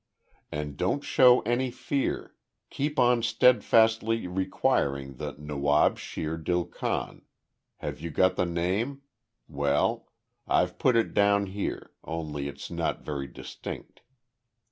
"And don't show any fear, keep on steadfastly requiring the Nawab Shere Dil Khan have you got the name, well, I've put it down here, only it's not very distinct.